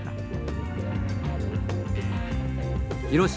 広島